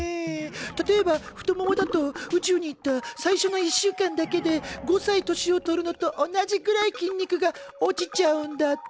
例えば太ももだと宇宙に行った最初の１週間だけで５歳年を取るのと同じくらい筋肉が落ちちゃうんだって。